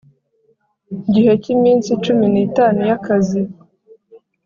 gihe cy iminsi cumi n itanu y akazi